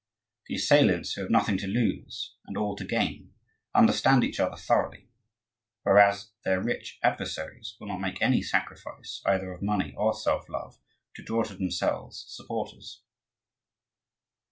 The assailants, who have nothing to lose and all to gain, understand each other thoroughly; whereas their rich adversaries will not make any sacrifice either of money or self love to draw to themselves supporters.